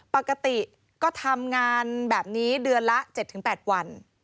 ปกติก็ทำงานแบบนี้เดือนละ๗๘วัน